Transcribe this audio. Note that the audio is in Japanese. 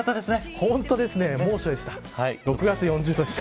本当ですね、猛暑でした。